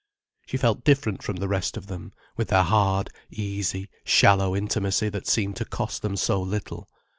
She felt different from the rest of them, with their hard, easy, shallow intimacy, that seemed to cost them so little.